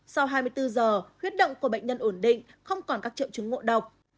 sau hai mươi bốn giờ khuyết động của bệnh nhân ổn định không còn các triệu chứng ngô độc